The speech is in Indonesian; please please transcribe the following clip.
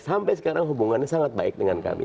sampai sekarang hubungannya sangat baik dengan kami